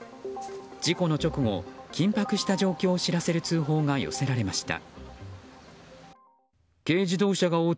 事故の直後緊迫した状況を知らせる通報が寄せられました。